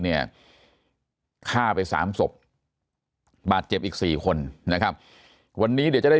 เนี่ยฆ่าไปสามศพบาดเจ็บอีก๔คนนะครับวันนี้เดี๋ยวจะได้